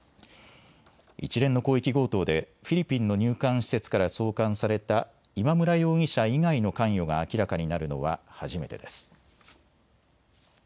一連の広域強盗でフィリピンの入管施設から送還された今村容疑者以外の関与が明らかになるのは初めてです。